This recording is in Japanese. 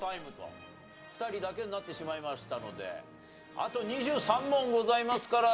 あと２３問ございますから。